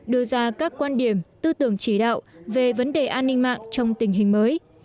đưa ra các quan điểm tư tưởng chỉ đạo về vấn đề an ninh mạng trong tình hình mới